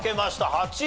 ８位。